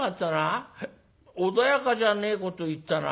穏やかじゃねえこと言ったな。